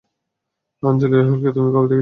আঞ্জলি রাহুলকে তুমি কবে থেকে চিনো?